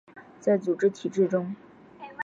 在组织体制中